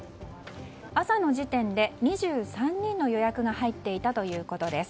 朝の時点で２３人の予約が入っていたということです。